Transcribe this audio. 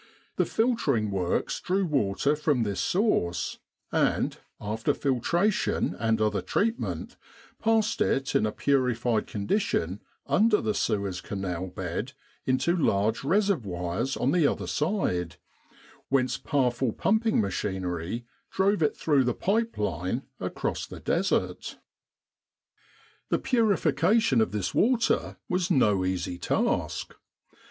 The filtering works drew water from this source and, after filtration and other treatment, passed it in a purified condition under the Suez Canal bed into large reservoirs on the other side, whence powerful pumping machinery drove it through the pipe line across the Desert. The purification of this water was no easy task.